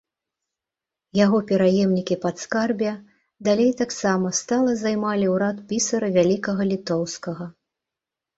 Яго пераемнікі падскарбія далей таксама стала займалі ўрад пісара вялікага літоўскага.